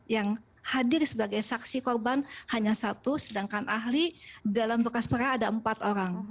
yang hadir sebagai saksi korban hanya satu sedangkan ahli dalam bekas perkara ada empat orang